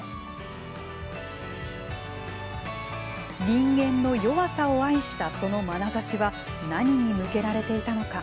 人間の弱さを愛したそのまなざしは何に向けられていたのか。